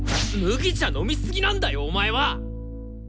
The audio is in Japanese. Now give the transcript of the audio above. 麦茶飲みすぎなんだよお前は！